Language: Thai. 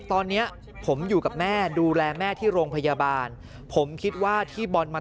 ตอนนี้ผมอยู่กับแม่ดูแลแม่ที่โรงพยาบาลผมคิดว่าที่บอลมา